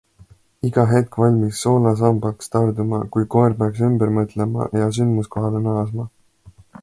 Iga hetk valmis soolasambaks tarduma, kui koer peaks ümber mõtlema ja sündmuskohale naasma.